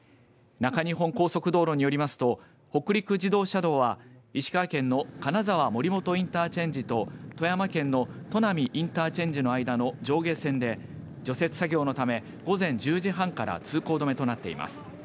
中日本高速道路によりますと北陸自動車道は石川県の金沢森本インターチェンジと富山県の砺波インターチェンジの間の上下線で除雪作業のため午前１０時半から通行止めとなっています。